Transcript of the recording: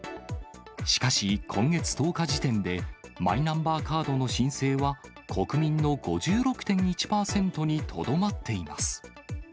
しかし、今月１０日時点で、マイナンバーカードの申請は、国民の５６．１％にとどまっています。